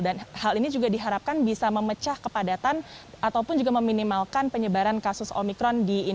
dan hal ini juga diharapkan bisa memecah kepadatan ataupun juga meminimalkan penyebaran kasus omikron